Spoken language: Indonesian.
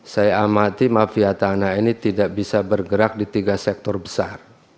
saya amati mafia tanah ini tidak bisa bergerak di tiga sektor besar